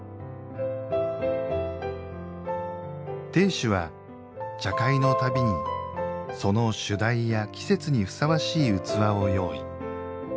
亭主は、茶会のたびにその主題や季節にふさわしい器を用意。